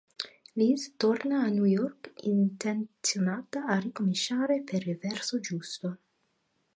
Liz torna a New York intenzionata a ricominciare per il verso giusto.